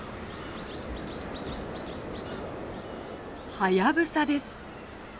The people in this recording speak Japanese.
ハヤブサです。